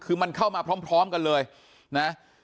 คือมันเข้ามาพร้อมกันเลยนะ